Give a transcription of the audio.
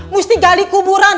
mesti gali kuburan